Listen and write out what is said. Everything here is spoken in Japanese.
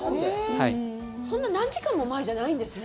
そんな何時間も前じゃないんですね。